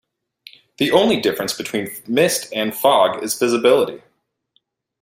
The only difference between mist and fog is visibility.